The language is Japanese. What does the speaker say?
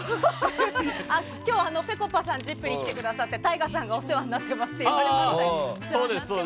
今日は、ぺこぱさんが「ＺＩＰ！」に来てくださってＴＡＩＧＡさんがお世話になってますとおっしゃってました。